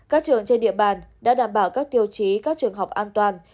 các trường trên địa bàn đã đảm bảo các tiêu chí các trường học an toàn